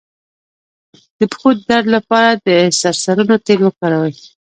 د پښو د درد لپاره د سرسونو تېل وکاروئ